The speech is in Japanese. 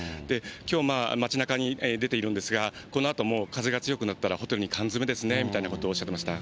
きょう、街なかに出ているんですが、このあとも風が強くなったらホテルに缶詰めですねみたいなことをおっしゃっていました。